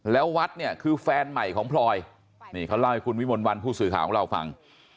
แล้ววัดเนี่ยคือแฟนใหม่ของพลอยนี่เขาเล่าให้คุณวิมลวันผู้สื่อข่าวของเราฟัง